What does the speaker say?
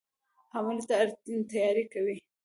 حملې ته تیاری کوي.